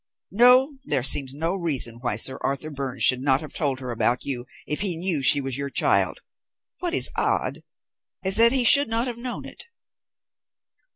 No, there seems no reason why Sir Arthur Byrne should not have told her about you if he knew she was your child. What is odd, is that he should not have known it."